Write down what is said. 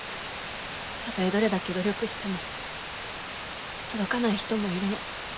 たとえどれだけ努力しても届かない人もいるの。